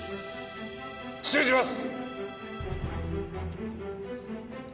失礼します！